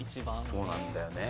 そうなんだよね。